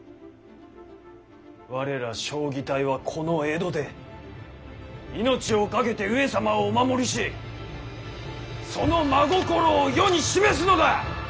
我ら彰義隊はこの江戸で命をかけて上様をお守りしその真心を世に示すのだ！